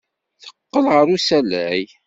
Teqqel ɣer usalay.